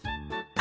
あ。